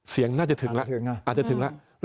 เสียงน่าจะถึงแล้วอาจจะถึงแล้ว